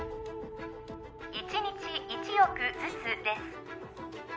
１日１億ずつです